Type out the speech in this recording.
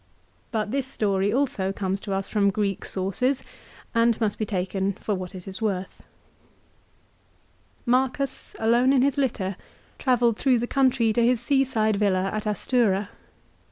But this story also comes to us from Greek sources and must be taken for what it is worth. Marcus, alone in his litter, travelled through the country to his sea side villa at Astura.